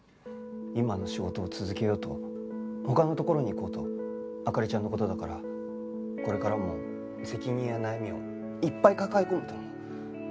今の仕事を続けようと他のところに行こうと灯ちゃんの事だからこれからも責任や悩みをいっぱい抱え込むと思う。